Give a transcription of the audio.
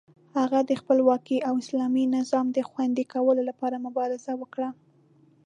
هغه د خپلواکۍ او اسلامي نظام د خوندي کولو لپاره مبارزه وکړه.